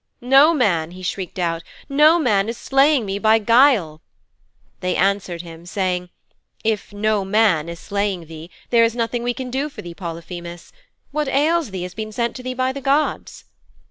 "Noman," he shrieked out, "Noman is slaying me by guile." They answered him saying, "If no man is slaying thee, there is nothing we can do for thee, Polyphemus. What ails thee has been sent to thee by the gods."